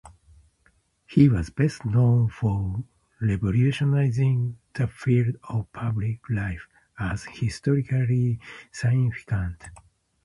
He was best known for revolutionizing the field of public life as historically significant.